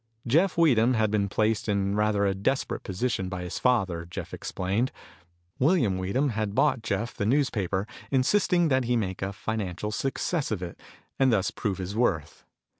Jeff Weedham had been placed in rather a desperate position by his father, Jeff explained. William Weedham had bought Jeff the newspaper, insisting that he make a financial success of it and thus prove his worth.